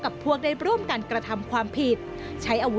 ทำไมเราต้องเป็นแบบเสียเงินอะไรขนาดนี้เวรกรรมอะไรนักหนา